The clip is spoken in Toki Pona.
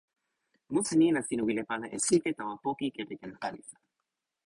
musi ni la sina wile pana e sike tawa poki kepeken palisa.